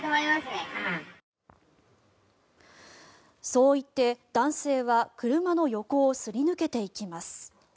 そう言って、男性は車の横をすり抜けていきます。